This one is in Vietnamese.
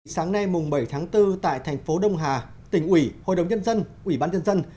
sáng nay bảy tháng bốn tại thành phố đông hà tỉnh ủy hội đồng nhân dân ủy ban nhân dân